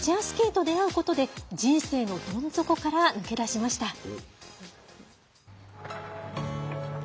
スキーと出会うことで人生のどん底から抜け出しました。